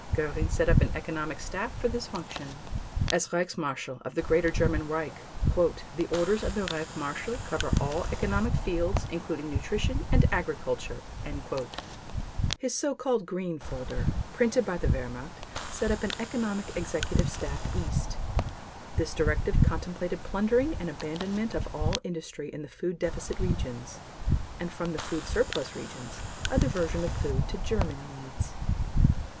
Göring set up an economic staff for this function. As Reichsmarshal of the Greater German Reich, "the orders of the Reich Marshal cover all economic fields, including nutrition and agriculture." His so called "Green" folder, printed by the Wehrmacht, set up an "Economic Executive Staff, East." This directive contemplated plundering and abandonment of all industry in the food deficit regions and, from the food surplus regions, a diversion of food to German needs.